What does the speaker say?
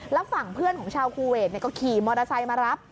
แล้วฝั่งเพื่อนของชาวคูเวทก็ขี่มอเตอร์ไซค์มารับ